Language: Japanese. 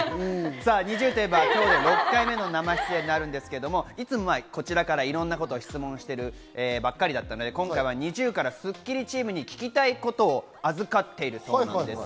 ＮｉｚｉＵといえば６回目の生出演になりますが、いつもこちらからいろんなこと質問しているばっかりだったので今回は、ＮｉｚｉＵからスッキリチームに聞きたいことを預かっているそうです。